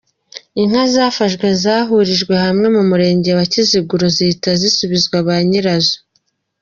Inka zafashwe zahurijwe hamwe mu murenge wa Kiziguro zihita zisubizwa ba nyirazo.